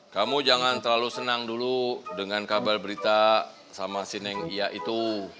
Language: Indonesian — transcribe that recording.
kamu jangan terlalu senang dulu dengan kabel berita sama si neng ia itu